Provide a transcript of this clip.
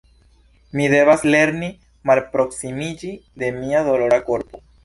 Mi devas lerni malproksimiĝi de mia dolora korpo.